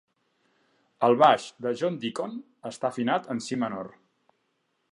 El baix de John Deacon està afinat en si menor.